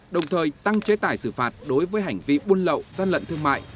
đồng thời tăng chế tải xử phạt đối với hành vi buôn lậu gian lận thương mại